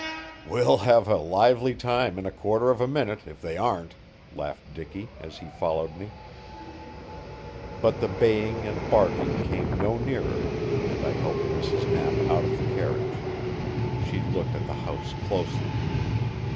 "We'll have a lively time in a quarter of a minute if they aren't," laughed Dicky, as he followed me. But the baying and barking came no nearer, and I helped Mrs. Knapp out of the carriage. She looked at the house closely.